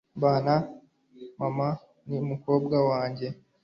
Mbana na mama n'umukobwa wanjye.